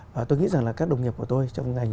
và tôi nghĩ rằng các đồng nghiệp của tôi